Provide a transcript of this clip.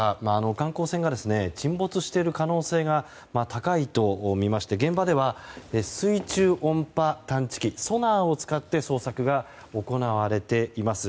観光船が沈没している可能性が高いとみまして現場では水中音波探知機ソナーを使って捜索が行われています。